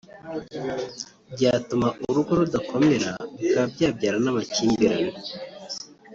byatuma urugo rudakomera bikaba byabyara n’amakimbirane